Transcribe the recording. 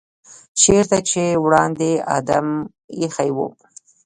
چېرته چې وړاندې آدم ایښی و.